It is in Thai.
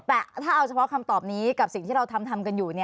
แต่ถ้าเอาเฉพาะคำตอบนี้กับสิ่งที่เราทำกันอยู่